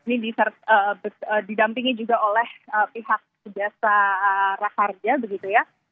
ini didampingi juga oleh pihak jasa raharja begitu ya